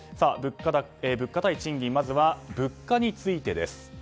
物価対賃金まずは物価についてです。